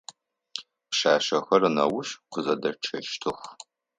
Пшъашъэхэр неущ къызэдэчъэщтых.